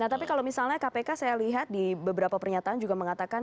nah tapi kalau misalnya kpk saya lihat di beberapa pernyataan juga mengatakan